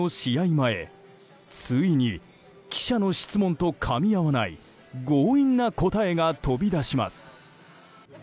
前ついに記者の質問とかみ合わない強引な答えが飛び出します。